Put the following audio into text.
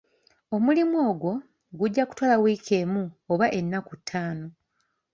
Omulimu ogwo gujja kutwala wiiki oba ennaku ttaano.